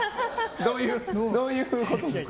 どういうことですか？